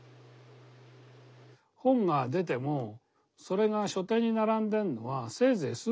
本が出てもそれが書店に並んでんのはせいぜい数か月ね。